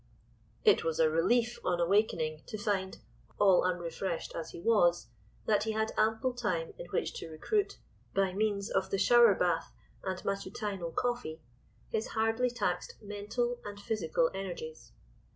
It was a relief on awakening to find, all unrefreshed as he was, that he had ample time in which to recruit, by means of the shower bath and matutinal coffee, his hardly taxed mental and physical energies.